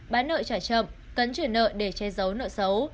bán nợ trả chậm cấn trử nợ để che giấu nợ xấu